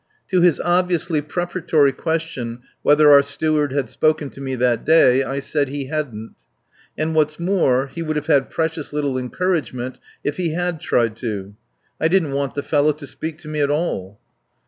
To his obviously preparatory question whether our Steward had spoken to me that day I said he hadn't. And what's more he would have had precious little encouragement if he had tried to. I didn't want the fellow to speak to me at all.